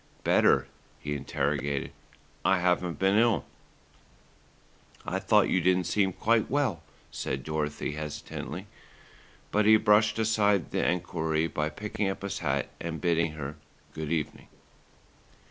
"Better?" he interrogated. "I haven't been ill." "I thought you didn't seem quite well," said Dorothy hesitatingly; but he brushed aside the enquiry by picking up his hat and bidding her "good evening."